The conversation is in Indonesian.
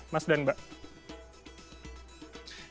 mas dan mbak